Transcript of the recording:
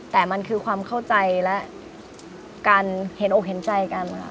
แต่มันคือความเข้าใจและการเห็นอกเห็นใจกันค่ะ